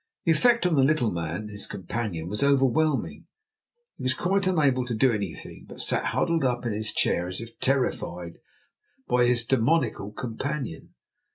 The effect on the little man, his companion, was overwhelming. He was quite unable to do anything, but sat huddled up in his chair as if terrified by his demoniacal companion.